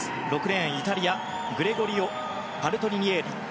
６レーン、イタリアのグレゴリオ・パルトリニエリ。